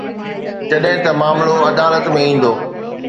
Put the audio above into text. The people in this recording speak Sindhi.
جڏهن ته معاملو عدالت ۾ ايندو.